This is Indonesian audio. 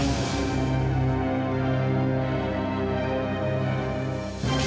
tapi dia juga rachel